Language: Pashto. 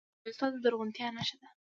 سرحدونه د افغانستان د زرغونتیا نښه ده.